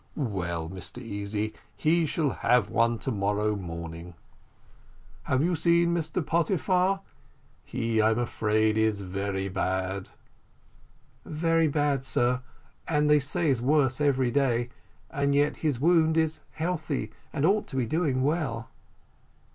"Well, Mr Easy, he shall have one to morrow morning. Have you seen Mr Pottyfar? He, I am afraid, is very bad." "Very bad, sir; and, they say, is worse every day, and yet his wound is healthy, and ought to be doing well."